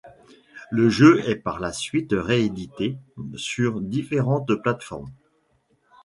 Le jeu est par la suite réédité sur différentes plates-formes.